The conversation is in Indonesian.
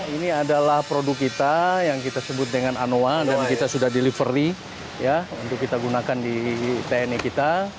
ini adalah produk kita yang kita sebut dengan anoa dan kita sudah delivery untuk kita gunakan di tni kita